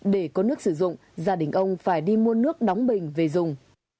để có nước sử dụng gia đình ông phải đi mua nước đóng bình về dùng